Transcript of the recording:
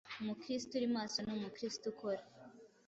Umukristo uri maso ni Umukristo ukora,